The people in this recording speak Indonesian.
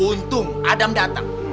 untung adam datang